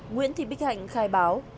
nguyễn thị bích hạnh khai báo